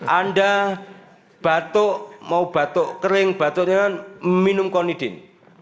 anda batuk mau batuk kering batuk dengan minum konidin